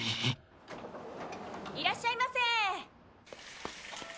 いらっしゃいませ！